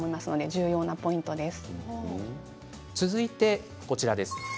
重要なポイントです。